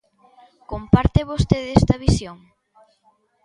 Comparte vostede esta visión?